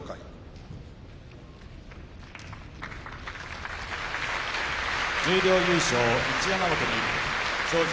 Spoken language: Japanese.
拍手十両優勝一山本に賞状